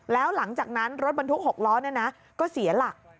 แล้วหลังจากนั้นรถบรรทุก๖ล้อก็เสียหลัก